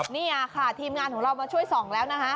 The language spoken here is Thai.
นี่ค่ะทีมงานของเรามาช่วยส่องแล้วนะคะ